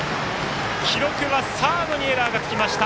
記録はサードにエラーがつきました。